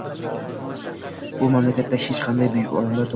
Bu mamlakatda hech qanday buyuk odamlar tug'ilmagan